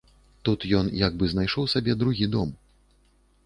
Тут ён як бы знайшоў сабе другі дом.